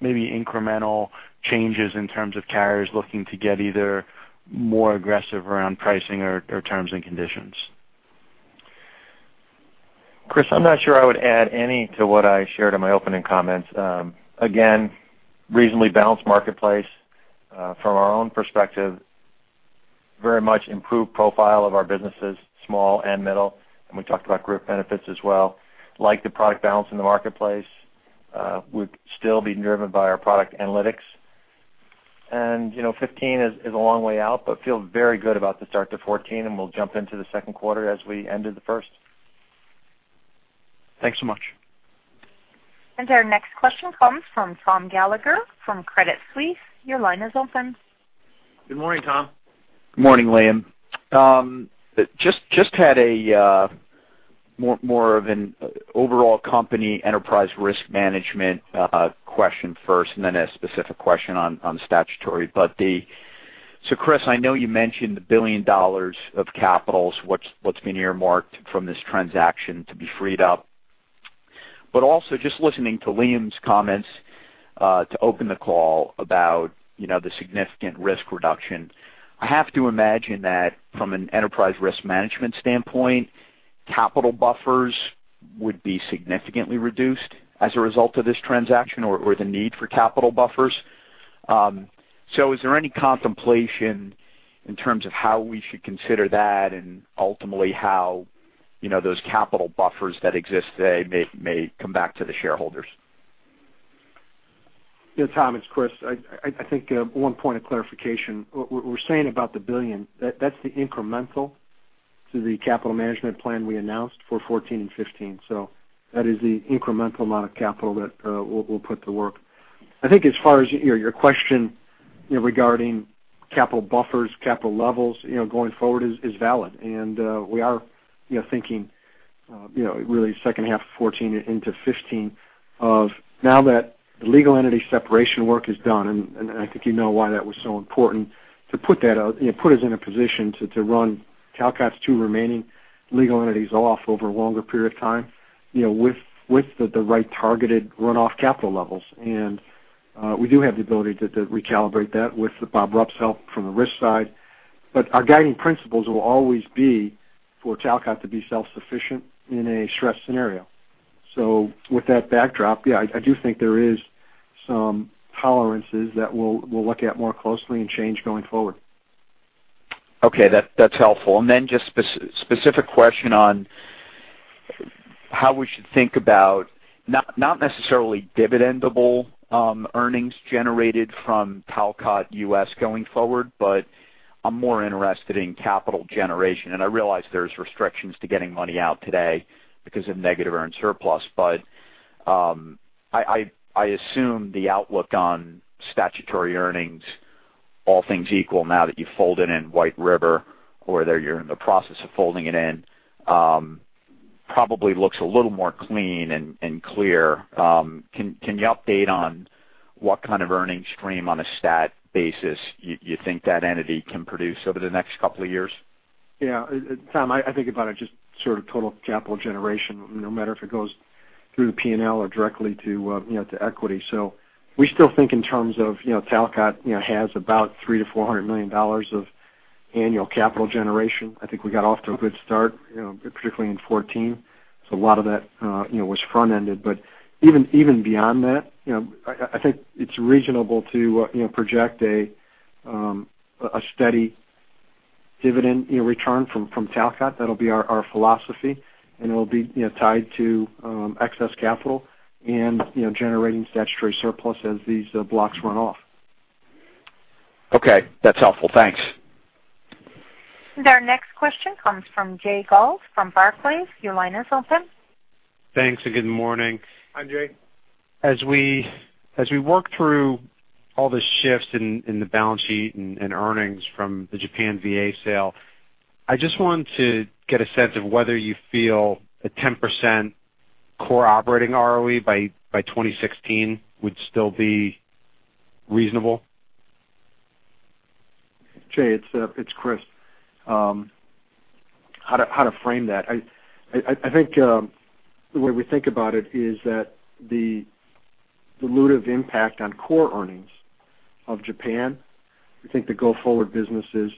maybe incremental changes in terms of carriers looking to get either more aggressive around pricing or terms and conditions. Chris, I'm not sure I would add any to what I shared in my opening comments. Again, reasonably balanced marketplace from our own perspective. Very much improved profile of our businesses, small and middle. We talked about Group Benefits as well. Like the product balance in the marketplace. We'd still be driven by our product analytics. 2015 is a long way out, but feel very good about the start to 2014, and we'll jump into the second quarter as we ended the first. Thanks so much. Our next question comes from Thomas Gallagher from Credit Suisse. Your line is open. Good morning, Tom. Good morning, Liam. Just had a More of an overall company enterprise risk management question first, and then a specific question on statutory. Chris, I know you mentioned the $1 billion of capital, what's been earmarked from this transaction to be freed up. Also just listening to Liam's comments, to open the call about the significant risk reduction. I have to imagine that from an enterprise risk management standpoint, capital buffers would be significantly reduced as a result of this transaction or the need for capital buffers. Is there any contemplation in terms of how we should consider that and ultimately how those capital buffers that exist today may come back to the shareholders? Tom, it's Chris. I think one point of clarification. What we're saying about the $1 billion, that's the incremental to the capital management plan we announced for 2014 and 2015. That is the incremental amount of capital that we'll put to work. I think as far as your question regarding capital buffers, capital levels, going forward is valid. We are thinking really second half of 2014 into 2015 of now that the legal entity separation work is done, and I think you know why that was so important to put that out, put us in a position to run Talcott's two remaining legal entities off over a longer period of time, with the right targeted runoff capital levels. We do have the ability to recalibrate that with Robert Rupp's help from the risk side. Our guiding principles will always be for Talcott to be self-sufficient in a stress scenario. With that backdrop, yeah, I do think there is some tolerances that we'll look at more closely and change going forward. Okay. That's helpful. Just specific question on how we should think about, not necessarily dividendable earnings generated from Talcott US going forward, but I'm more interested in capital generation, and I realize there's restrictions to getting money out today because of negative earned surplus. I assume the outlook on statutory earnings, all things equal now that you folded in White River or that you're in the process of folding it in, probably looks a little more clean and clear. Can you update on what kind of earning stream on a stat basis you think that entity can produce over the next couple of years? Yeah. Tom, I think about it just sort of total capital generation, no matter if it goes through the P&L or directly to equity. We still think in terms of Talcott has about $300 million-$400 million of annual capital generation. I think we got off to a good start, particularly in 2014. A lot of that was front-ended. Even beyond that, I think it's reasonable to project a steady dividend return from Talcott. That'll be our philosophy, and it'll be tied to excess capital and generating statutory surplus as these blocks run off. Okay. That's helpful. Thanks. Our next question comes from Jay Gelb from Barclays. Your line is open. Thanks. Good morning. Hi, Jay. As we work through all the shifts in the balance sheet and earnings from the Japan VA sale, I just want to get a sense of whether you feel a 10% core operating ROE by 2016 would still be reasonable. Jay, it's Chris. How to frame that. I think, the way we think about it is that the dilutive impact on core earnings of Japan, we think the go-forward businesses,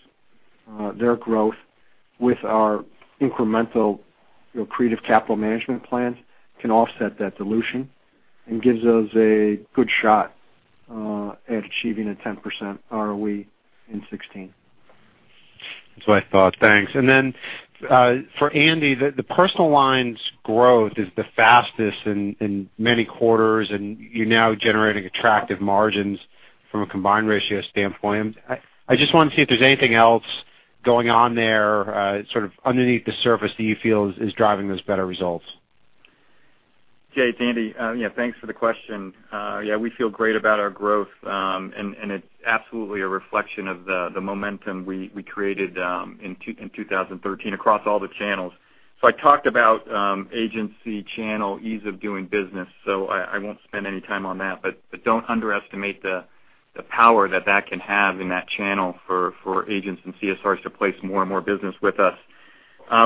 their growth with our incremental creative capital management plan can offset that dilution and gives us a good shot at achieving a 10% ROE in 2016. That's what I thought. Thanks. For Andy, the personal lines growth is the fastest in many quarters, and you're now generating attractive margins from a combined ratio standpoint. I just want to see if there's anything else going on there, sort of underneath the surface that you feel is driving those better results. Jay, it's Andy. Thanks for the question. We feel great about our growth. It's absolutely a reflection of the momentum we created in 2013 across all the channels. I talked about agency channel ease of doing business, so I won't spend any time on that, but don't underestimate the power that that can have in that channel for agents and CSRs to place more and more business with us.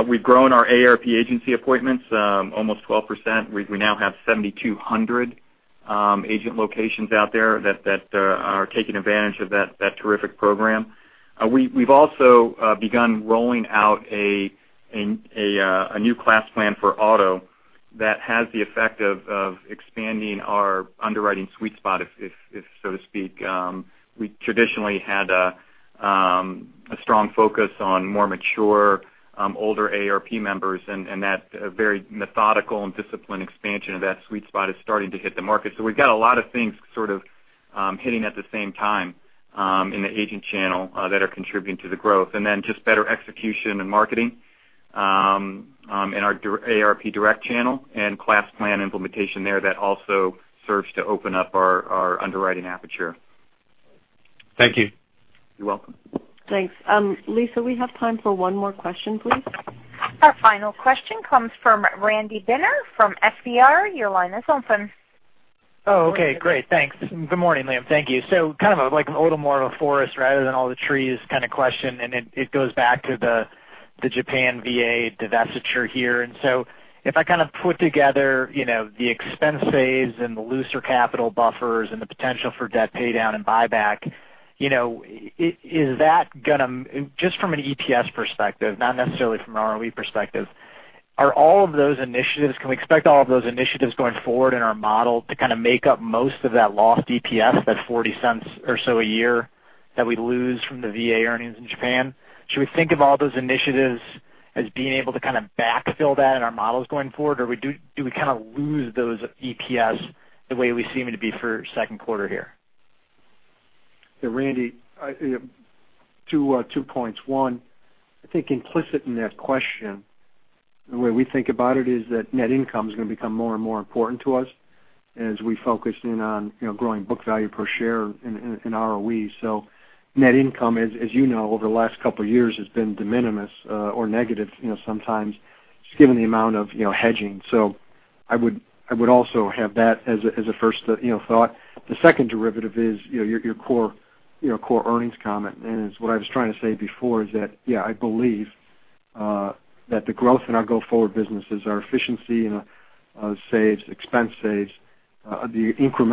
We've grown our AARP agency appointments almost 12%. We now have 7,200 agent locations out there that are taking advantage of that terrific program. We've also begun rolling out a new class plan for auto that has the effect of expanding our underwriting sweet spot, so to speak. We traditionally had a strong focus on more mature, older AARP members, and that very methodical and disciplined expansion of that sweet spot is starting to hit the market. We've got a lot of things sort of hitting at the same time in the agent channel that are contributing to the growth. Just better execution and marketing in our AARP Direct channel and class plan implementation there that also serves to open up our underwriting aperture. Thank you. You're welcome. Thanks. Lisa, we have time for one more question, please. Our final question comes from Randy Binner from FBR. Your line is open. Oh, okay. Great. Thanks. Good morning, Liam. Thank you. Kind of like a little more of a forest rather than all the trees kind of question, it goes back to the Japan VA divestiture here. If I kind of put together the expense saves and the looser capital buffers and the potential for debt paydown and buyback. Just from an EPS perspective, not necessarily from an ROE perspective, can we expect all of those initiatives going forward in our model to kind of make up most of that lost EPS, that $0.40 or so a year that we lose from the VA earnings in Japan? Should we think of all those initiatives as being able to kind of backfill that in our models going forward, or do we kind of lose those EPS the way we seem to be for second quarter here? Randy, two points. One, I think implicit in that question, the way we think about it is that net income is going to become more and more important to us as we focus in on growing book value per share in ROE. Net income, as you know, over the last couple of years has been de minimis or negative sometimes just given the amount of hedging. I would also have that as a first thought. The second derivative is your core earnings comment. What I was trying to say before is that, yeah, I believe that the growth in our go-forward businesses, our efficiency and our saves, expense saves, the increment-